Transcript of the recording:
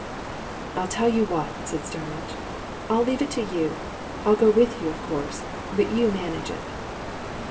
"I'll tell you what," said Starmidge, "I'll leave it to you. I'll go with you, of course, but you manage it."